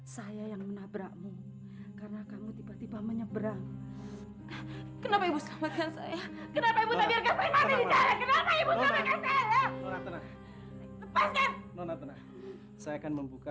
saya memang ingin bunuh diri saat itu